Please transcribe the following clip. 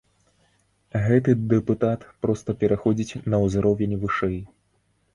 Гэты дэпутат проста пераходзіць на ўзровень вышэй.